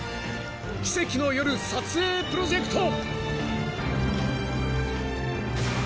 ［奇跡の夜撮影プロジェクト］